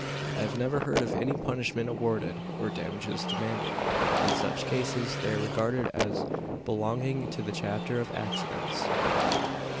I have never heard of any punishment awarded, or damages demanded, in such cases. They are regarded as belonging to the "chapter of accidents!"